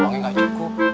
uangnya gak cukup